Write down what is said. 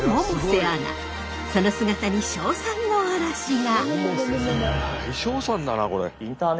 その姿に称賛の嵐が！